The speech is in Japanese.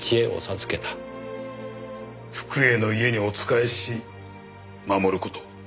福栄の家にお仕えし守る事。